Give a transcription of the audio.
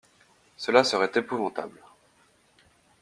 Cela serait épouvantable.